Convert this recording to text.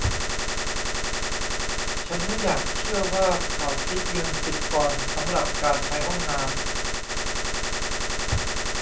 ฉันไม่อยากเชื่อว่าเขาคิดเงินสิบปอนด์สำหรับการใช้ห้องน้ำ !